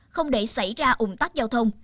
không để xảy ra ủng tắc giao thông